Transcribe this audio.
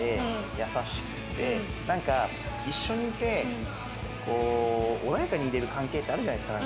なんか一緒にいてこう穏やかにいれる関係ってあるじゃないですか。